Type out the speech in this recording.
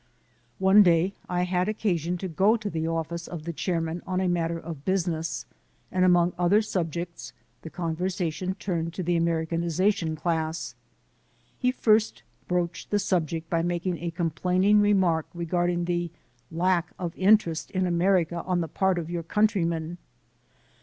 One day I had occasion to go to the office of the chairman on a matter of business, and among other subjects, the conversation turned to the American ization class. He first broached the subject by making a complaining remark regarding the "lack of interest in America on the part of your country men."